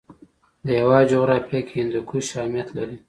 د هېواد جغرافیه کې هندوکش اهمیت لري.